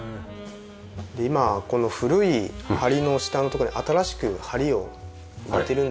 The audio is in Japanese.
で今この古い梁の下のところに新しく梁を入れてるんですけれども。